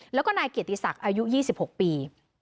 แล้วก็นายเกียรติศักดิ์อายุ๒๖ปี